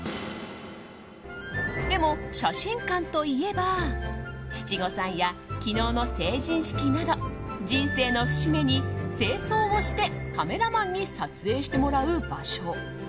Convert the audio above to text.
でも、写真館といえば七五三や昨日の成人式など人生の節目に正装をしてカメラマンに撮影してもらう場所。